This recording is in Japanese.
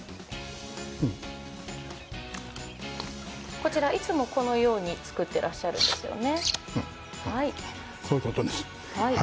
こちらいつもこのように作ってらっしゃるんですよね？